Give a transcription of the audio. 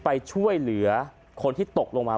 ไปช่วยเหลือคนที่ตกลงมา